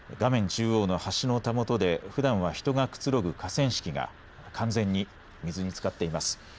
中央の橋のたもとでふだんは人がくつろぐ河川敷が完全に水につかっています。